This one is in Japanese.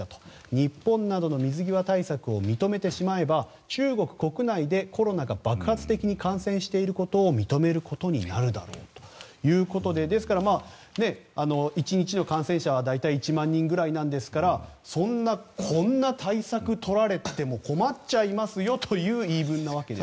日本などの水際対策を認めてしまえば中国国内でコロナが爆発的に感染していることを認めることになるだろうということで１の感染者は大体１万人ぐらいですからそんな、こんな対策をとられても困っちゃいますよという言い分なわけです。